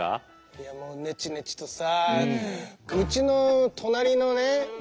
いやもうネチネチとさあ。